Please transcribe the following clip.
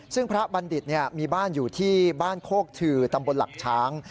ซึ่งพระบัณฑิตมีบ้านอยู่ที่บ้านโคกทือตำบลหลักช้าง